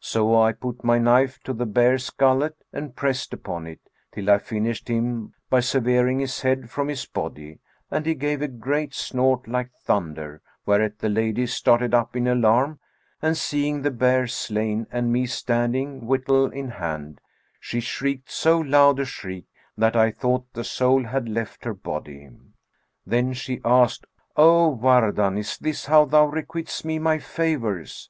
So I put my knife to the bear's gullet and pressed upon it, till I finished him by severing his head from his body, and he gave a great snort like thunder, whereat the lady started up in alarm; and, seeing the bear slain and me standing whittle in hand, she shrieked so loud a shriek that I thought the soul had left her body. Then she asked, 'O Wardan, is this how thou requites me my favours?'